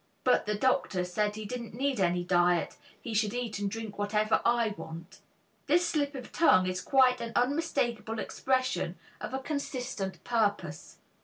But the doctor said he didn't need any diet, he should eat and drink whatever I want." This slip of tongue is quite an unmistakable expression of a consistent purpose.